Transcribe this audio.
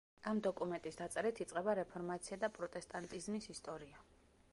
ამ დოკუმენტის დაწერით იწყება რეფორმაცია და პროტესტანტიზმის ისტორია.